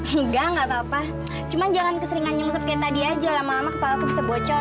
hingga enggak papa cuman jangan keseringan nyusupin tadi aja lama lama kepala bisa bocor